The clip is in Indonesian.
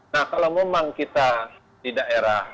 nah kalau memang kita di daerah